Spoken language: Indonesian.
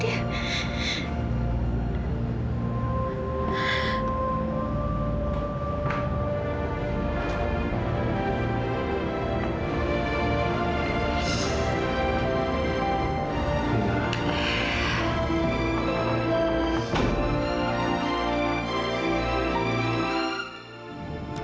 sayangnya cepat sehat ya